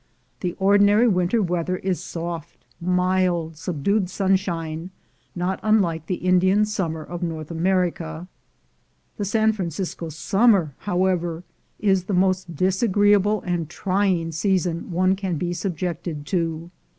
The ordinary winter weather is soft, mild, subdued sunshine, not unlike the Indian summer of North America. The San Francisco summer, however, is the most disagreeable and trying season one can be subjected to.